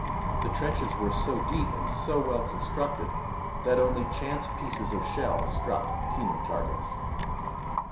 The trenches were so deep and so well constructed that only chance pieces of shell struck human targets.